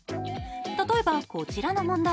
例えば、こちらの問題。